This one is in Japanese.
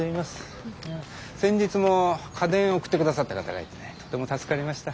先日も家電を送って下さった方がいてとても助かりました。